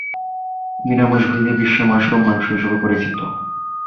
নিরামিষভোজী বিশ্বে মাশরুম মাংস হিসেবে পরিচিত।